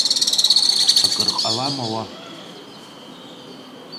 Акыр ҟалама уа?